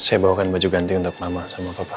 saya bawakan baju ganti untuk mama sama papa